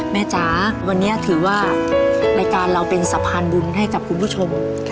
จ๋าวันนี้ถือว่ารายการเราเป็นสะพานบุญให้กับคุณผู้ชม